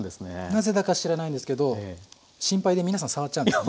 なぜだか知らないんですけど心配で皆さん触っちゃうんです。